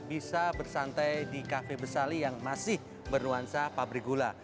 bisa bersantai di kafe besali yang masih bernuansa pabrik gula